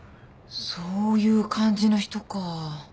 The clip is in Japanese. そういう感じの人か。